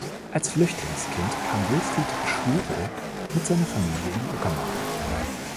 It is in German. Als Flüchtlingskind kam Wilfried Schwuchow mit seiner Familie in die Uckermark.